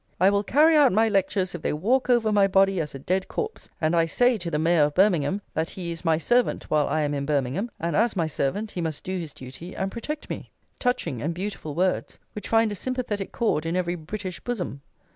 "I will carry out my lectures if they walk over my body as a dead corpse; and I say to the Mayor of Birmingham that he is my servant while I am in Birmingham, and as my servant he must do his duty and protect me." Touching and beautiful words, which find a sympathetic chord in every British bosom!